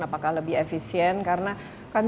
apakah lebih efisien karena kan